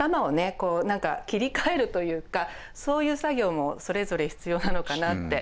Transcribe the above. こう何か切り替えるというかそういう作業もそれぞれ必要なのかなって。